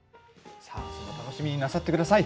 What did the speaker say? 楽しみになさってください。